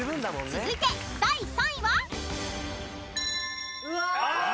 ［続いて第３位は］